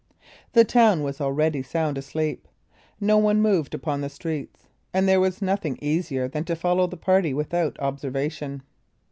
The town was already sound asleep; no one moved upon the streets, and there was nothing easier than to follow the party without observation.